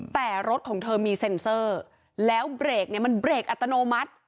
แต่รถของเธอมีเซ็นเซอร์แล้วเบรกเนี่ยมันเบรกอัตโนมัติ